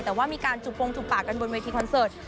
แต่ว่ามีการจุดปงจุบปากกันบนเวทีคอนเสิร์ต